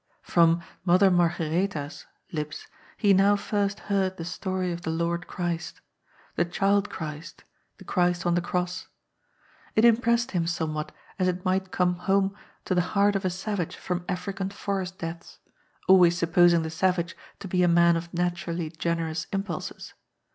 From " Mother Margaretha's " lips he now first heard the story of the Lord Christ : the Child Christ, the Christ on the Cross. It impressed him somewhat as it might come home to the heart of a savage from African forest depths, always supposing the savage to be a man of naturally generous impulses.